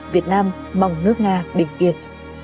việt nam mong nước nga bình yên